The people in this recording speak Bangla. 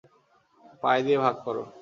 পাই দিয়ে ভাগ করো।